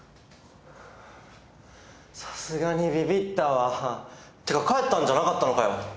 さすがにビビったわてか帰ったんじゃなかったのかよ